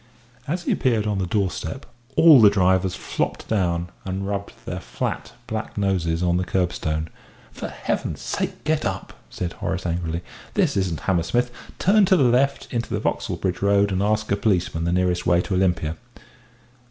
As he appeared on the doorstep, all the drivers flopped down and rubbed their flat, black noses on the curbstone. "For Heaven's sake get up!" said Horace angrily. "This isn't Hammersmith. Turn to the left, into the Vauxhall Bridge Road, and ask a policeman the nearest way to Olympia."